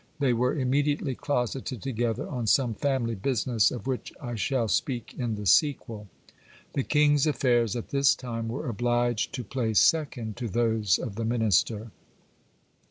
They were immediately closeted together on some family business, of which I shall speak in the sequeL The kinjps affairs at this time were obliged to play second to those of the minister.